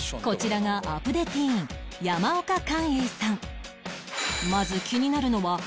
こちらがアプデティーンまず気になるのは